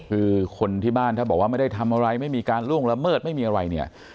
คือคนที่บ้านถ้าบอกว่าไม่ได้ทำอะไรไม่มีการล่วงละเมิดไม่มีอะไรเนี่ย